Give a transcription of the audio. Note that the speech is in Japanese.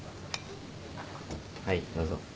はいどうぞ。